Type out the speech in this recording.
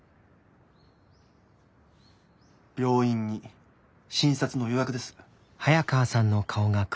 病院に診察の予約です。